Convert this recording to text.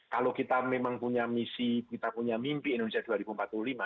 kalau kita memang punya misi kita punya mimpi indonesia dua ribu empat puluh lima